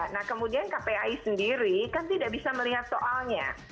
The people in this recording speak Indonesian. nah kemudian kpai sendiri kan tidak bisa melihat soalnya